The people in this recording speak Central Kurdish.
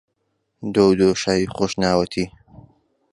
دۆ و دۆشاوی خۆشناوەتی